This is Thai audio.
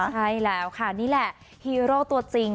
ใช่แล้วค่ะนี่แหละฮีโร่ตัวจริง